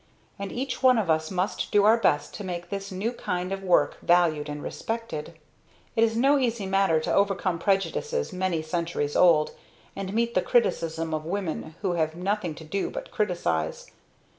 And each one of us must do our best to make this new kind of work valued and respected." It is no easy matter to overcome prejudices many centuries old, and meet the criticism of women who have nothing to do but criticize.